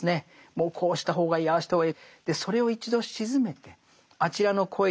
もうこうした方がいいああした方がいい。